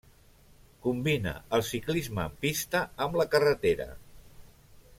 Combina el ciclisme en pista amb la carretera.